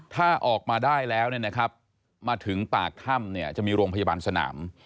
ถ้าออกมาได้แล้วเนี่ยนะครับมาถึงปากถ้ำเนี่ยจะมีโรงพยาบาลสนาม